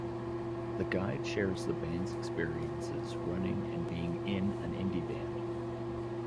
The guide shares the band's experiences running and being in an indie band.